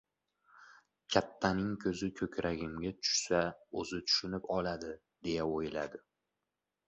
Kattaning ko‘zi ko‘kragimga tushsa, o‘zi tushunib oladi, deya o‘yladi.